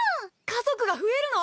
家族が増えるの？